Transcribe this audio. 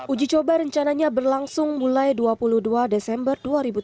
uji coba rencananya berlangsung mulai dua puluh dua desember dua ribu tujuh belas